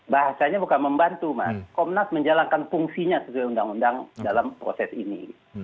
bahasanya bukan membantu mas komnas menjalankan fungsinya sesuai undang undang dalam proses ini